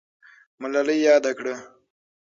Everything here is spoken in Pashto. ملالۍ یاده کړه.